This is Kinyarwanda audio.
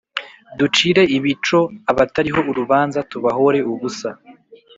ducire ibico abatariho urubanza tubahore ubusa,